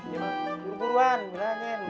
jangan buruan bilangin